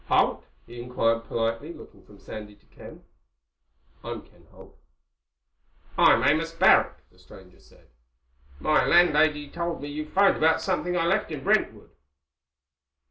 "Holt?" he inquired politely, looking from Sandy to Ken. "I'm Ken Holt." "I'm Amos Barrack," the stranger said. "My landlady told me you phoned about something I left in Brentwood."